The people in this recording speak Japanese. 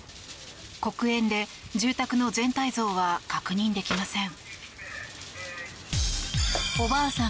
黒煙で住宅の全体像は確認できません。